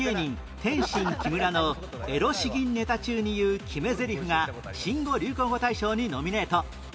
天津木村のエロ詩吟ネタ中に言う決めゼリフが新語・流行語大賞にノミネート